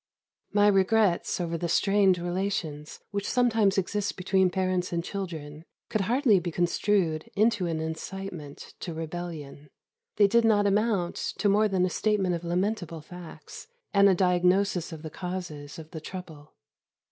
My regrets over the strained relations which sometimes exist between parents and children could hardly be construed into an incitement to rebellion. They did not amount to more than a statement of lamentable facts, and a diagnosis of the causes of the trouble.